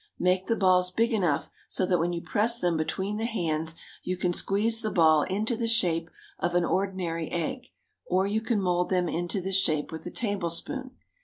Make the balls big enough so that when you press them between the hands you can squeeze the ball into the shape of an ordinary egg, or you can mould them into this shape with a tablespoon.